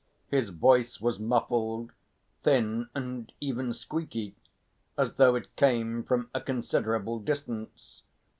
His voice was muffled, thin and even squeaky, as though it came from a considerable distance.